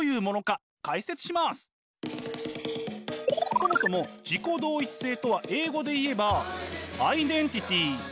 そもそも自己同一性とは英語で言えばアイデンティティー。